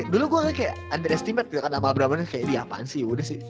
dulu gua kayaknya underestimate dengan abram wena kayaknya dia apaan sih udah sih